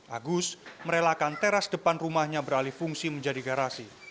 agus merelakan teras depan rumahnya beralih fungsi menjadi garasi